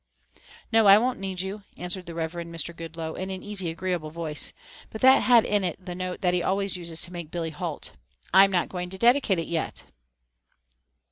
"No, I won't need you," answered the Reverend Mr. Goodloe, in an easy agreeable voice, but that had in it the note that he always uses to make Billy halt. "I'm not going to dedicate it yet."